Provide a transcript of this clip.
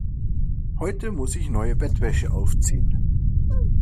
Heute muss ich neue Bettwäsche aufziehen.